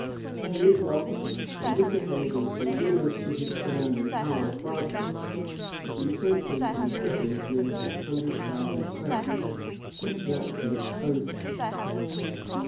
Henry was, on this occasion, so generous to his friend and ally Francis, that he sent him an acquittal of near six hundred thousand crowns, which that prince owed him.